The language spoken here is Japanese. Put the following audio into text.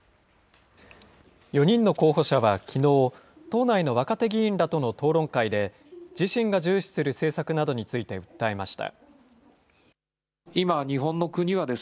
４人の候補者はきのう、党内の若手議員らとの討論会で自身が重視する政策などについて訴えました。